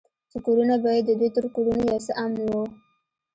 چې کورونه به يې د دوى تر کورونو يو څه امن وو.